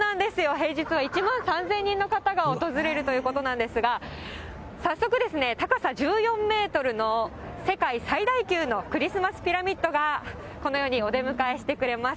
平日は１万３０００人の方が訪れるということなんですが、早速、高さ１４メートルの世界最大級のクリスマスピラミッドが、このようにお出迎えしてくれます。